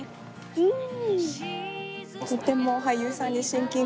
うん。